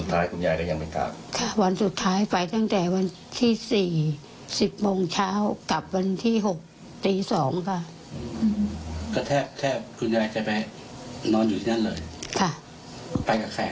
แค่คุณยายจะไปนอนอยู่ที่นั่นเลยไปกับใครครับคุณยาย